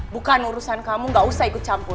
bukan urusan kamu gak usah ikut campur